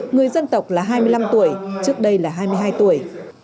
người dân tộc là hai mươi năm tuổi trước đây là hai mươi hai tuổi